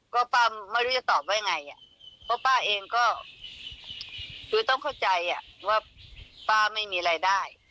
ก็ป้าไม่รู้จะตอบว่าไงอ่ะเพราะป้าเองก็คือต้องเข้าใจว่าป้าไม่มีรายได้